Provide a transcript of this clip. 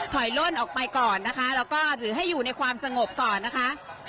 ล่นออกไปก่อนนะคะแล้วก็หรือให้อยู่ในความสงบก่อนนะคะ